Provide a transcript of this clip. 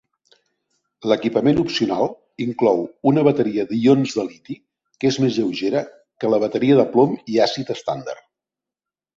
L'equipament opcional inclou una bateria de ions de liti, que és més lleugera que la bateria de plom i àcid estàndard.